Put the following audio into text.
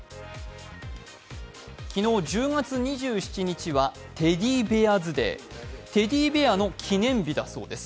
昨日１０月２７日はテディベアズ・デーテディベアの記念日だそうです。